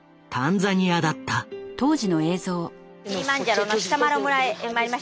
キリマンジャロのシサ・マロ村へ参りました。